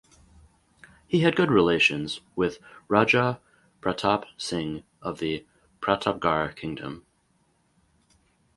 He had good relations with Raja Pratap Singh of the Pratapgarh Kingdom.